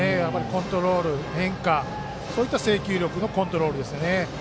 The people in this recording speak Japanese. コントロール変化、そういった制球力もコントロールですよね。